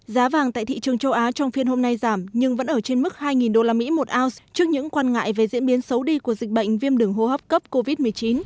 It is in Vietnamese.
giá vàng tại thị trường châu á trong phiên hôm nay giảm nhưng vẫn ở trên mức hai usd một ounce trước những quan ngại về diễn biến xấu đi của dịch bệnh viêm đường hô hấp cấp covid một mươi chín